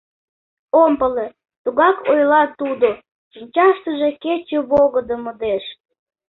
— Ом пале, — тугак ойла тудо, шинчаштыже кече волгыдо модеш;